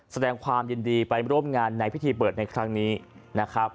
แสดงความยินดีไปร่วมงานในพิธีเปิดในครั้งนี้นะครับ